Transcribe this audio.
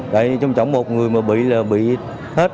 tại trong trọng một người mà bị là bị hết